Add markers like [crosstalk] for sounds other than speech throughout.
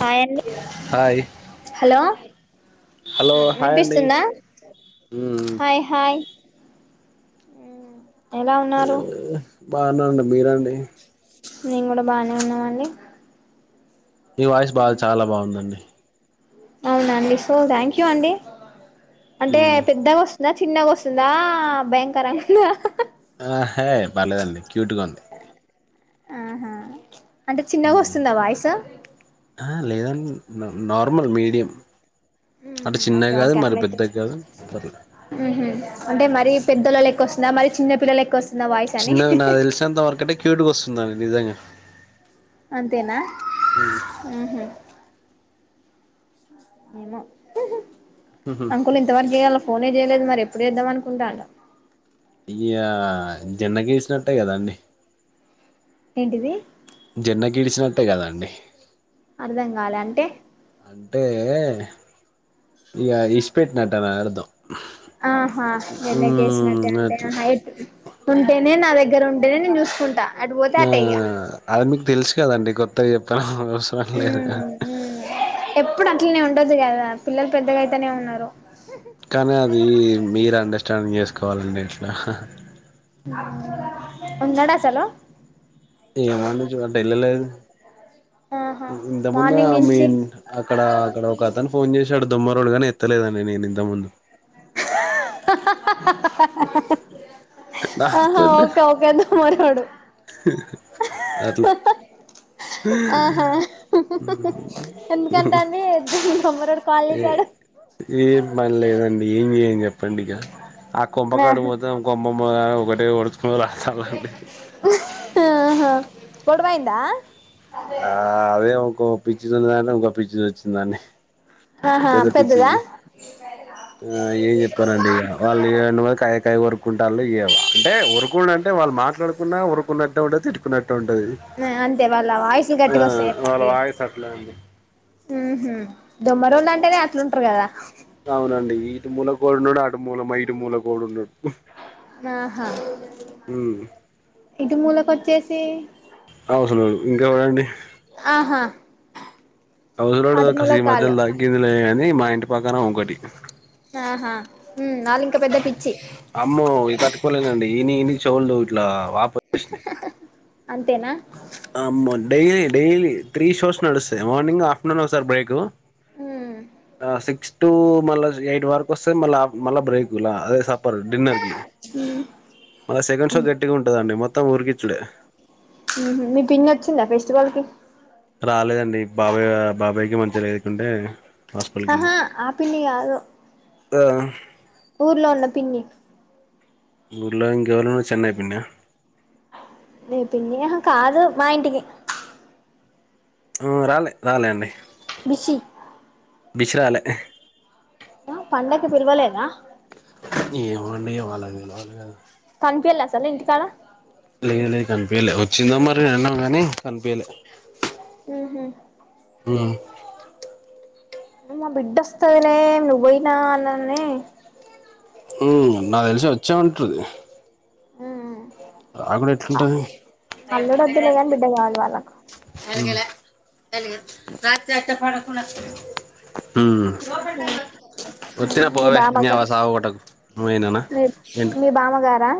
Hi అండి hi hello hello hi అండి వినిపిస్తుందా ఉమ్ హాయ్ హాయ్ ఎలా ఉన్నారు బాగున్నాండి మీరండి మేము కూడా బాగానే ఉన్నామండి మీ వాయిస్ బాగా చాలా బాగుందండి అవునండి సో థ్యాంక్ యూ అండి అంటే ఉమ్ పెద్దగా వస్తుందా చిన్నగా వస్తుందా భయంకరంగుందా ఆ హే పర్లేదండి క్యూట్ గా ఉంది ఆహా అంటే చిన్నగా వస్తుందా వాయిసు ఆ లేదండి నార్మల్ మీడియం అటు ఓకే చిన్నవి కాదు ఓకే మరి అట్లయితే పెద్ద కాదు పర్లే ఉహు అంటే మరి పెద్దళ్ళ లెక్క వస్తుందా మరి చిన్న పిల్ల లెక్క వస్తుందా వాయిస్ అని చిన్నగా నా తెలిసినంత వరకంటే క్యూట్కి వస్తుందండి నిజంగా అంతేనా ఆహ ఉహు అంకులు ఇంతవరకు చేయాల ఫోనే చేయలేదు మరి ఎప్పుడు చేద్దాం అనుకుంటల్లో ఇగా జన్మ కి వేసినట్టే కదాండి ఏంటిది జెన్మకి గీడిచినట్టే కదాండి అర్ధం కాలే అంటే అంటే ఇ ఇడిసీ పెట్టినట్టే ఆర్దం ఆహా జన్మకేసివెసినట్ట అట్లా అంతేయి ఉంటే న ద దగ్గర ఉంటనే నేను చూసుకుంటా అటు పోతే ఆ అటే ఇగ అది మీకు తెలుసు కదండి కొత్తగా చెప్పాను ఎప్పుడు అట్లనే ఉండదు కదా పిల్లలు పెద్దగా అయితేనే ఉన్నారు కానీ అది మీరు అండర్స్టాండింగ్ చేసుకోవాలండి ఇట్లా ఉన్నడసలు ఏమండి చూ అట్ ఎళ్ల్ళలేదు ఆహా ఇంత ముందు మార్నింగ్ నుంచి మీన్ అక్కడ అక్కడ ఒక అతని ఫోన్ చేసాడు దొమ్మ రోళుగాని ఎత్తలేదండి నే నేను ఇంత ముందు ఆహా నాతోనే ఓకే ఓకే దొమ్మరోడు అట్లా ఆహా ఎందుకంటా అంది దొమ్మరోడు కాల్ ఏ చేసాడు ఏం పనిలేదండి ఏం చెయని చెప్పండి ఇక ఆ కొంప కాడికి ఆహా పోతే కొంప ఒకటే ఎవరో అస్తరండి గోడవాయందా ఆ అదే ఒక పిచ్చిదిన్నది అంటే ఇంకో పిచ్చిది వచ్చిందండి ఆహా పెద్ద పెద్దదా పిచ్చిది ఆ ఏం చెప్పారండి వాళ్ళున్న కాయ కాయ కొరుక్కుంట వాళ్ అంటే ఓరుకు అంటే వాళ్ళు మాట్లాడుకున్న ఓరుకున్నట్టటు ఉంటది తిట్టుకున్నట్టటే ఉంటది అంతే వాళ్ళ వాయిసులు ఆ గట్టిగా వాళ్ళ వాయిస్ అట్లే అండి ఉహ దొమ్మ రోల్లు అంటేనే అట్లుంటారు కదా అవునండి ఇటు మూలకు ఒకడు ఉన్నాడు మూల మా ఇంటి మూలకోడు ఉన్నాడు ఆహా ఇటు మూలకచ్చేసి ఇంకా ఎవడు అండి అసలోడు అటు కసి మూలకు ఆళ్ళు మధ్యలో తగ్గిందిలే గాని మా ఇంటి పక్కన ఒంకటి ఆహా వాళ్ళ ఇంకా పెద్ద పిచ్చి ఇని ఇని చవట్లా వాప ప్రశ్ అంతేనా ఆ డైలీ డైలీ త్రీ షోస్ నడుస్తే మార్నింగ్ ఆఫ్టర్నూన్ ఒక సార్ బ్రేకు సిక్స్ టు మ ఎయిట్ వరక్ వస్తే మళ్ళా మళ్ళా బ్రేక్లా అదే సప్పర్ డిన్నర్ కి మళ్ళ సెకండ్ షో గట్టిగా ఉంటదండి మొత్తం ఉరికిచ్చుడే మీ పిన్ని వచ్చిందా వవాల్కి రాలేదండి బాబాయ్ బాబాయ్కి మంచిగా లే ఎదుకుంటే హాస్పిటల్కి ఆహా వెళ్ళారు ఆ పిన్ని కాదు ఆ ఊర్లో ఉన్న పిన్ని ఊర్లో ఇంకేవళన్నా చెన్నై పిన్న న పిని కాదు మాయంటికి రాలే రాలే అండి బిషి బిస్రలే ఆ పండకు పిలవలేద ఏమో అండి వాళ్ళ [unintelligible] కనిపిలాసల ఇంటికాల లేదు లేదు కనిపయలే వచ్చిందో మరి విన్నాం కానీ కనిపి యలే ఉహు మా బిడ్డొస్తందిలే నువ్ పోయినా అన్నాన్ని ఉ నా తెలిసి వచ్చా ఉంటుది ఆ కూడాడ ఎట్ంటంది అల్లుడు వద్దులే గాని బిడ్డ కావాలి వాళ్ళకు అలాంగలే అ రాత్రి అచ్చ పడకుడా ఉహు ఒత్తిన మీ పోవే నీ అవ్వ బామ్మగారు సవ కొట్టకు నువనానా మీ ఏంటి మీ బామ్మగారా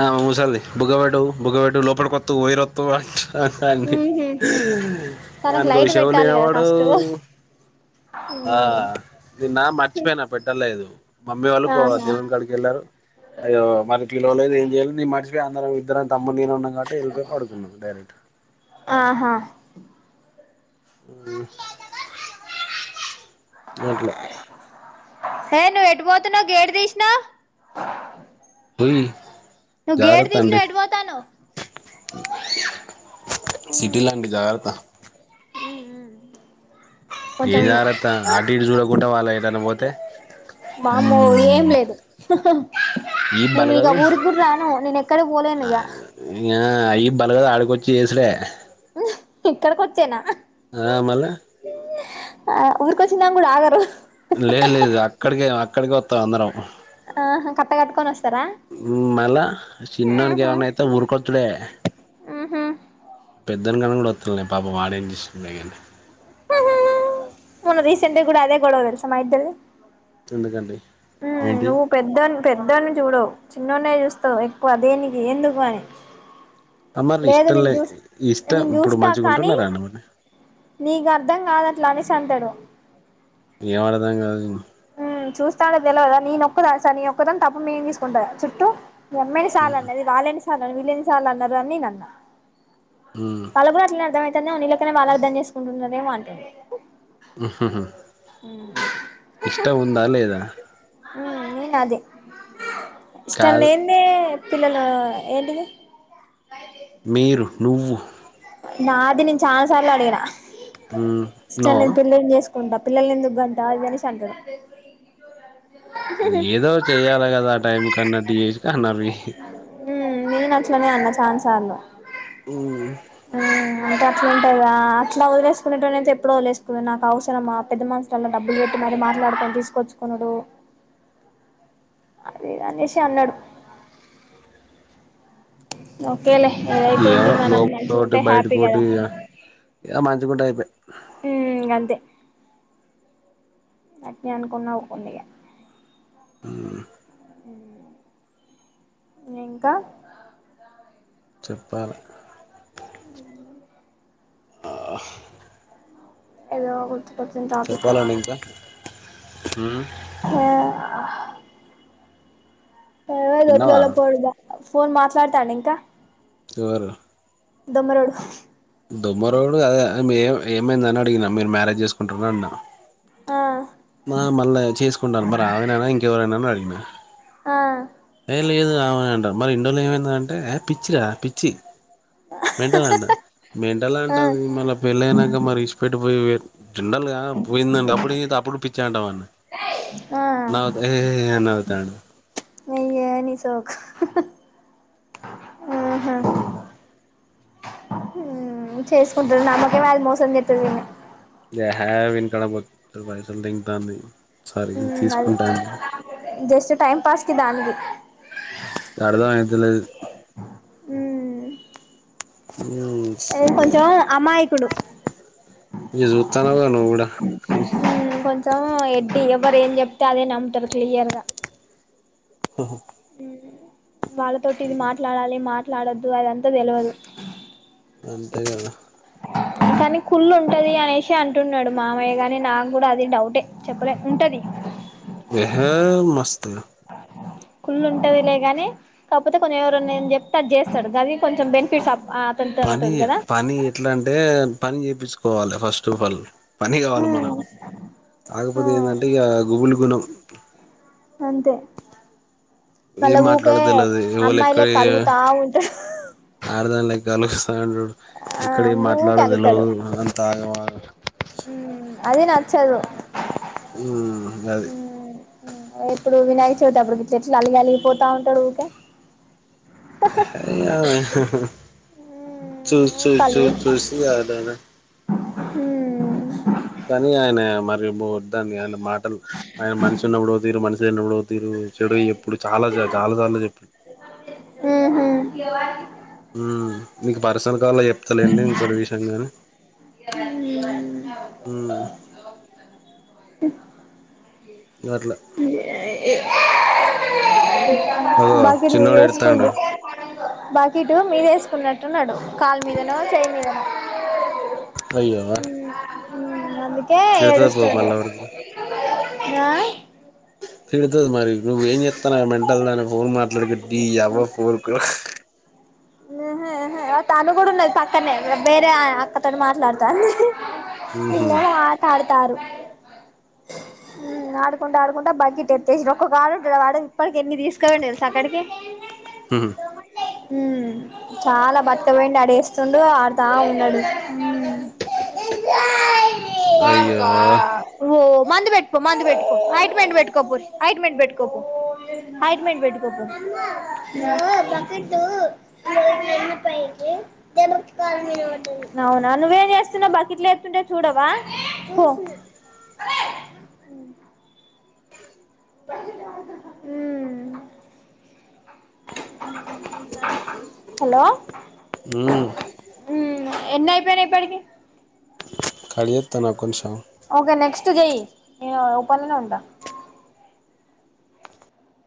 ఆ మూసాల బుగబేటు బుగబేటు లోపడ్కి కొతు వయర్త్తు అ అండి ఉహు తనకు లైట్ ఆయనకుషవు పెట్టాలి కదా లేనవాడు ఫస్ట్ ఆ ఇది నా మర్చిపోయినా పెట్టలేదు మమ్మీ వాళ్ళు ఆహా దేవం కాడికి వెళ్ళారు అయో మనకిట్లలేదు ఏం చేయాలి న మచ అందరం ఇద్దరని తమ్ము నేను ఉన్నాం కాట్టి వెళ్ళిపోయి పడుకున్నాం డైరెక్ట్ ఆహా [unintelligible] ఏ నువ్వు ఎటు పోతున్నా గేడు తీసినా పో జరతడి ఎటు పోతాన్నావ్ సిటీలా అండి జగత కొంచెం ఏం జాగ్రత్త ఆటు ఇటు చూడకుండా వాళ్ళ ఏలానా పోతే వమ్మో ఏం లేదు ఈ బలగదు గుడు రాను నేను ఎక్కడ పోలేను ఇక ఆ ఈ బలగాద ఆడికొ వచ్చి చేసలే ఇక్కడికి వచ్చానా ఆ మల ఆ ఉఊర్కో చినంగ్ కూడా ఆగరు లేదు లేదు అక్కడికి అక్కడికి వస్తాం అందరం ఆ కట్టా కట్కొ వస్తారా మళ చిన్నని గవన్నాతే ఉఊర్కుతుడ ఆహా పెద్దన్న కూడా ఒత్తలే పాపం వాడేం చేసిండో కానీ ఉహూ మొన్న రీసెంట్ గా కూడా అదే గొడవ తెలుసా మా ఇద్దరిది ఎందుకండి ఉమ్ ఏంటి నువ్వు పెద్దోన్ని పెద్దొన్ని చూడవు చిన్నొన్నే చూస్తావు ఎక్కువ దేనికి ఎందుకు అని మరి లేదు నేను ఇష్టంలే చూస్ ఇష్టం నేను ఇప్పుడు చూస్తా మంచిగా కానీ ఉంటున్నారా అండి మరి నీకు అర్ధం కాదట్లా అనేసి అంటాడు ఏం అర్థం కాదు ఇప్పుడు ఉమ్ చూస్తుంటే తెలవదా నీనొక్కదా స నీక్కదని తప్పమేం తీసుకుంటా చుట్టూ మీ అమ్మ ఎన్ని సార్లు అన్నది వాళ్ళు ఎన్ని సార్లు వీళ్ళు ఎన్ని సార్లు అన్నారు అని నేను అన్న ఉమ్ వాళ్ళకు కూడా అట్లనే అర్థమయితుందేమో వీళ్ళ లెక్కనే వాళ్ళు అర్థం చేసుకుంటున్న రేమో అంటుంది ఉహుహు ఇష్టం ఉందా లేదా ఉమ్ నేను అదే ఇష్టం కాదు లేనిదే పిల్లల ఏంటిది మీరు నువ్వు నాది నేను చానా సార్లు అడిగినా ఉమ్ తిన్నావా కుంట పిల్లలను ఎందుగంట అనేసి అంటారు ఏదో చెయ్యాలి కదా ఆ టైం కన్నట్టు చేసిన అన్నది ఉమ్ నేను అట్లనే అన్న చానా సార్లు ఉమ్ ఉమ్ అంటే అట్లా ఉంటాదా అట్లా వదిలేసుకున్నటోన్ని అయితే ఎప్పుడు వదిలేసుకునే నాకు అవసరమా పెద్ద మ డబ్బులు పెట్టి మరి మాట్లాడుకొని తీసుకొచ్చుకునుడు అదే అనేసి అన్నాడు ఓకేలే ఏదైతే ఏంటి ఏమో మనం లోపల మంచిగ ఒకటి ఉంటే హ్యాపీ బయటకోటి కదా ఇగ మంచిగుంటే అయిపాయ్ ఉమ్ అంతే అట్నే అనుకున్నావు కొండి ఇగ ఉమ్ ఉమ్ ఇంకా చెప్పాలా ఆ ఏదో గుర్తుకొచ్చింది టాపిక్ చెప్పాలండి ఇంకా ఉమ్ ఆ అదేదో తిన్నావా ఒట్లల పోడదా ఫోన్ మాట్లాడతాండా ఇంకా ఎవరు దొమ్మరోడు దొమ్మరోడు అదే ఏమైందని అడిగినా మీరు మ్యారేజ్ చేసుకుంటార అని అన్న ఆ మ మళ్ళా చేసుకుంటారు మరి ఆమె నేనా ఇంకెవరైనా అని అడిగినా ఆ ఏ లేదు రా ఆమె నే అంటారు మరి ఇన్నిరోజులు ఏమైంది అంటే పిచ్చిరా పిచ్చి మెంటల్ అంట మెంటల్ ఆ అంట మళ్ళ పెళ్ళి అయినాక మరి విడిచిపెట్టి పోయి జిండలుగా పోయిందండి అప్పుడు అప్పుడు పిచ్చే అంటావా అన్నా ఆ నవ్వుతాండు హెహేహీ అని నవ్వుతాండు నీ ఏ నీ సోకు ఉమ్ ఉమ్ చేసుకుంటుంది నమ్మకమే అది మోసం చేస్తుంది అని ఏహే వీనీ కాడ మొత్తం పైసలు! ! ! ! ! ! ! ! ! ! ఉమ్ అదే జస్ట్ టైమ్ పాస్ కి దానికి అర్దమైతలేదు ఏదో కొంచెం అమాయికుడు ఇగ చూత్తన్నావుగా నువ్వు కూడా కొంచం ఎడ్డీ ఎవరు ఏం చెప్తే అదే నమ్ముతారు క్లియర్గ [unintelligible] వాళ్ళతోటి ఇది మాట్లాడాలి మాట్లాడొద్దు అదంతా తెలియదు అంతేకదా కానీ కకుళ్ళు ఉంటుంది అనేసి అంటున్నాడు మామయ్య కానీ నాకు కూడా అది డౌటే చెప్పలే ఉంటుంది [unintelligible] మస్ ఆ కుల్ ఉంటది లే కాని కాకపోతే కొంచెం ఎవరు ఉన్నాయని చెప్తే అది చేస్తాడు కానీ కొంచెం బెనిఫిట్స్ పని అతనితోనతోడు కదా పని ఎట్లా అంటే పని చేయించుకోవాలి ఫస్ట్ ఆఫ్ ఆల్ పని కావాలి మనకు ఆ కాకపోతే ఏంటంటే ఇక గుబల్ గుణం అంతే ఏం మళ్ళా ఊకే మాట్లాడేది తెలవదు ఎవలు ఎక్కడ అమ్మాయిలే కలుగుతా ఉంట గలుగుస్తాంటడు ఇక్కడ మాట్లాడ ఊకే అలుగుతాడు తెలిదు అంత ఆగవా అది నచ్చదు హ్మ్ అది ఎప్పుడు వినాయక చవితి అప్పుడు చెట్లు అలిగి అలిగి పోతా ఉంటాడు ఊకే అ చ చూ చూసి [unintelligible] హు కానీ ఆయన మరి మద్దాన్ని ఆయన మాటలు ఆయన మనిషి ఉన్నప్పుడుతరు మనిషిన్నప్పుడుతరు చెడు ఎప్పుడు చాలా చాలా సార్లు చెప్పిడు ఉ ఇవ మీకు పర్సన కాల్లో చెప్తలేండి ఇంకోటి విషయంగాని అట్లా అగో బాకీ మీద చిన్నోడు వేసుకుండు ఎడతాండు బాకీటు మీద వేసుకున్నట్టున్నాడు కాల్ మీదన చేయి మీదనో అయ్యో నందుకే తిడతది పో ఏడుస్తంది మళ్ళ పడుతది ఆ తిడుతుంది మరి నువ్వు ఏంప్స్తాను ఆ మెంటల్ దాన ఫోన్ మాట్లాడకట్టి వ ఫోర్ కూడ అ తను కూడా ఉన్నది పక్కనే బేరే అక్కతోటి మాట్లాడుతాంది ఊహూ ఇళ్ల మాట్డతారు ఆడుకుంటడా ఆడుకుంటా బ్ ఇట్ ఎతేసి ఒక్క కాడు ఉంటాడుడది ఇప్పటిక ఎన్ని తీసుకోవండి తెలుసా అక్కడికి చాలా బట్ట పోయిడి ఆడేస్తుండు ఆడుతా ఉన్నాడు అయ్యో మంది పెట్టుకో యిట్ మంట్ పెట్కోపో అయిట్ మిట్ పెట్టుకోప్పు హయిట్మెంట్ పెట్టుకోపో అవునా నువ్వేం చేస్తున్నా బాకీట్లో ఎత్తుంటే చూడవ హు హలో ఉ మ్మ్. ఎన్ని అయిపోయానాయి ఇప్పటికి [unintelligible] ఓకే నెక్స్ట్ జేయి ఓపన్నే ఉంటా